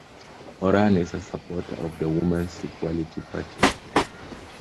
Moran is a supporter of the Women's Equality Party.